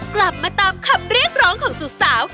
กลับมาตามคำเรียกร้องของสาว